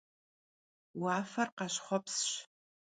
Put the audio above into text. Vuafer khaşxhuepsş.